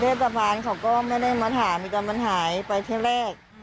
แต่เวทประพานเขาก็ไม่ได้มาถามแต่มันหายไปแท้แรก